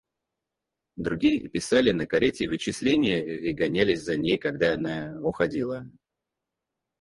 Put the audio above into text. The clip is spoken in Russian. Другие писали на карете вычисления и гонялись за ней, когда она уходила.